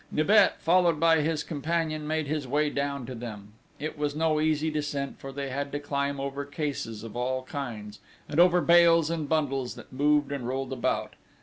Nibet, followed by his companion, made his way down to them: it was no easy descent, for they had to climb over cases of all kinds, and over bales and bundles that moved and rolled about.